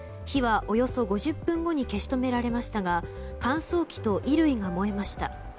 火はおよそ５０分後に消し止められましたが乾燥機と衣類が燃えました。